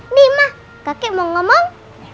nih mah kakek mau ngomong